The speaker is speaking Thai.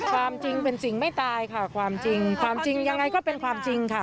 ความจริงเป็นจริงไม่ตายค่ะความจริงความจริงยังไงก็เป็นความจริงค่ะ